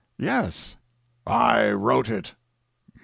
"Yes." "I wrote it."